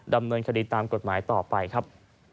ดำเนินคดีตามกฎหมายต่อไปครับ